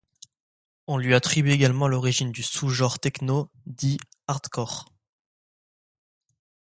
On lui attribue également l'origine du sous-genre techno dit artcore.